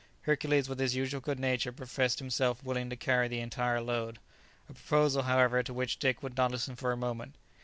Hercules with his usual good nature professed himself willing to carry the entire load; a proposal, however, to which Dick would not listen for a moment.